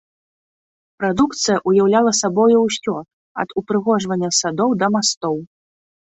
Прадукцыя ўяўляла сабою ўсё, ад упрыгожвання садоў да мастоў.